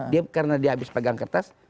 dia karena dia habis pegang kertas